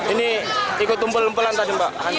ini ikut tumpul tumpulan tadi mbak antri